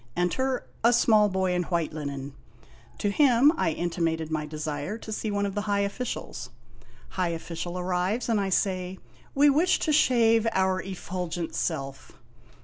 Enter a small boy in white linen. To him I intimated my desire to see one of the high officials. High official arrives, and I say: "We wish to shave our effulgent self."